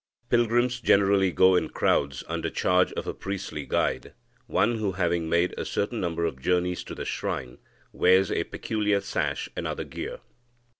Pilgrims generally go in crowds under charge of a priestly guide, one who, having made a certain number of journeys to the shrine, wears a peculiar sash and other gear."